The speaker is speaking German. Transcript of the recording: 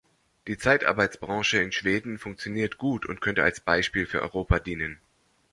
Die Zeitarbeitsbranche in Schweden funktioniert gut und könnte als Beispiel für Europa dienen.